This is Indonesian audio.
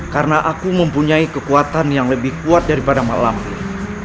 karena aku mempunyai kekuatan yang lebih kuat daripada mak lampir